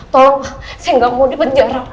tolong pak saya nggak mau di penjara